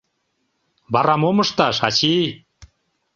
Вара мом ышташ, ачий?!